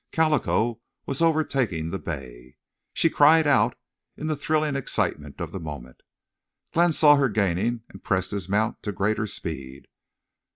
Calico was overtaking the bay. She cried out in the thrilling excitement of the moment. Glenn saw her gaining and pressed his mount to greater speed.